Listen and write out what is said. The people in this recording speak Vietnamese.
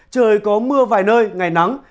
trời có mưa vài nơi ngày nắng